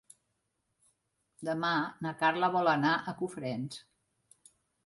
Demà na Carla vol anar a Cofrents.